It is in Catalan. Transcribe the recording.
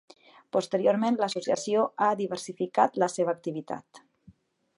Posteriorment l'associació ha diversificat la seva activitat.